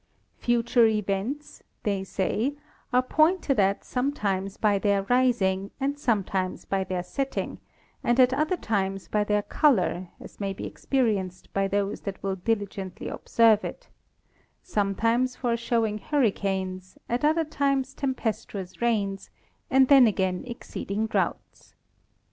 Future Events (they say) are pointed at sometimes by their Rising, and sometimes by their Setting, and at other times by their Colour, as may be experienced by those that will diligently observe it; sometimes foreshewing Hurricanes, at other times Tem pestuous Rains, and then again exceeding Droughts.